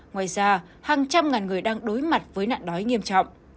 ngoài ra hàng trăm ngàn người đang đối mặt với nạn đói nghiêm trọng